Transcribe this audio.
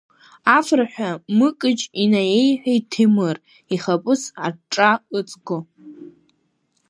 Афырҳәа Мыкыҷ инаиеиҳәеит Ҭемыр, ихаԥыц аҿҿа ыҵго.